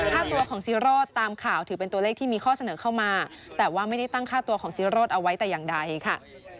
ค่าตัวของซีโรธตามข่าวถือเป็นตัวเลขที่มีข้อเสนอเข้ามาแต่ว่าไม่ได้ตั้งค่าตัวของซีโรธเอาไว้แต่อย่างใดค่ะ